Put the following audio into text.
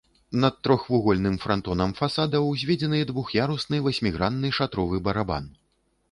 Над трохвугольным франтонам фасада ўзведзены двух'ярусны васьмігранны шатровы барабан.